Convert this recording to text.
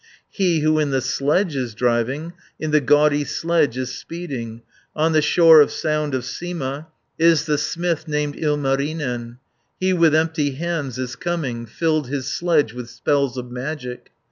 620 "He who in the sledge is driving, In the gaudy sledge is speeding, On the shore of Sound of Sima, Is the smith named Ilmarinen. He with empty hands is coming; Filled his sledge with spells of magic.